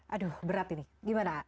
aduh berat ini gimana